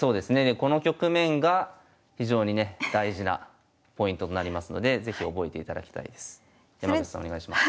この局面が非常にね大事なポイントになりますので是非覚えていただきたいです。